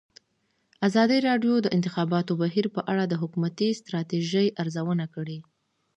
ازادي راډیو د د انتخاباتو بهیر په اړه د حکومتي ستراتیژۍ ارزونه کړې.